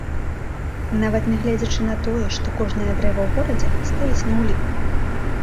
Нават нягледзячы на тое, што кожнае дрэва ў горадзе стаіць на ўліку.